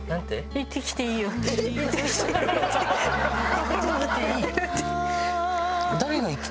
「行ってきていい」？